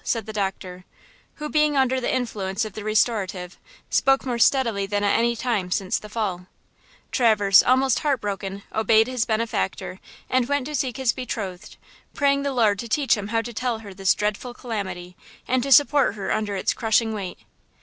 said the doctor, who, being under the influence of the restorative, spoke more steadily than at any time since the fall. Traverse, almost broken hearted, obeyed his benefactor and went to seek his betrothed, praying the Lord to teach him how to tell her this dreadful calamity and to support her under its crushing weight.